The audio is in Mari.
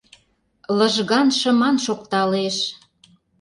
Лыжган-шыман шокталеш;